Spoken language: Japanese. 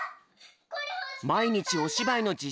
まいにちおしばいのじ